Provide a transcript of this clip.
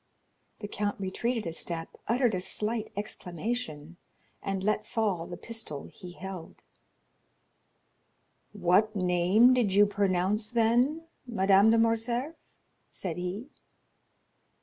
The count retreated a step, uttered a slight exclamation, and let fall the pistol he held. "What name did you pronounce then, Madame de Morcerf?" said he.